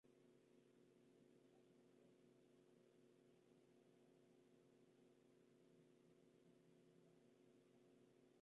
Habita los bordes de los arroyos, canales y estanques, entre la vegetación.